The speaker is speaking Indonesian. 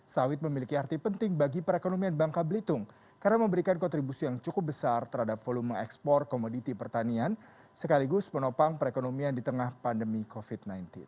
sawit memiliki arti penting bagi perekonomian bangka belitung karena memberikan kontribusi yang cukup besar terhadap volume ekspor komoditi pertanian sekaligus penopang perekonomian di tengah pandemi covid sembilan belas